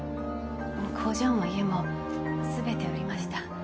もう工場も家も全て売りました。